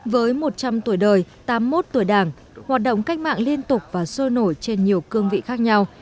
với một trăm linh tuổi đời tám mươi một tuổi đảng hoạt động cách mạng liên tục và sôi nổi trên nhiều cương vị khác nhau